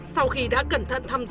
sau khi đã cẩn thận thăm dò